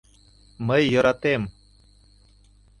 Мый йӧратем...